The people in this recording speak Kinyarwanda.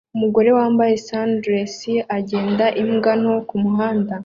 Umugore wambaye sundress agenda imbwa nto kumuhanda